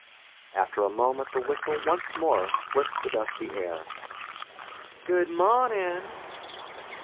After a moment the whistle once more split the dusty air. "Good mawnin'."